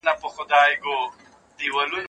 زه به کتابتون ته راغلی وي؟